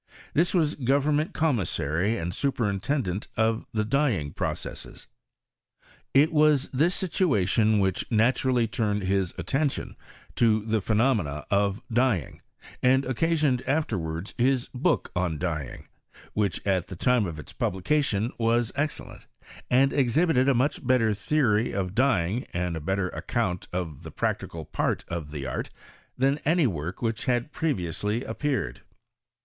This was government commissary and superintendent of the dyeing pro cesses. It was this situation which naturally turned his attention to the phenomsna of dyeing, and occasioned afterwards his book on dyeing; which at the time of its publication was excellent, and exhibited a much better theory of dyeing, and a ' better account of the practical part of the art than any work which had previously appeared.